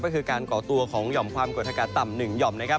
ก็คือการก่อตัวของหย่อมความกดอากาศต่ำ๑หย่อมนะครับ